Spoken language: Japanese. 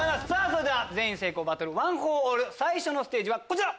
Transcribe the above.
それでは全員成功バトルワン・フォー・オール最初のステージはこちら。